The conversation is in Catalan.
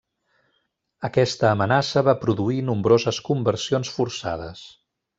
Aquesta amenaça va produir nombroses conversions forçades.